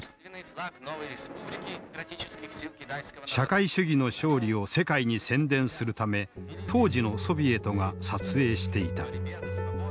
社会主義の勝利を世界に宣伝するため当時のソビエトが撮影していた。